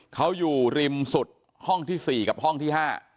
เขาอยู่ริมสุดห้องที่๔กับห้องที่๕